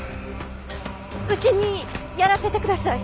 うちにやらせてください！